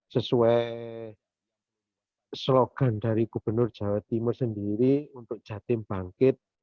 sesuai slogan dari gubernur jawa timur sendiri untuk jatim bangkit